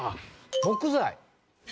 木材。